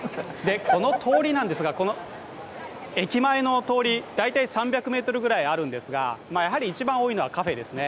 この駅前の通り、大体３００ｍぐらいあるんですが、一番多いのはカフェですね。